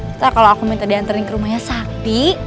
nanti kalau aku minta diantar ke rumahnya sakti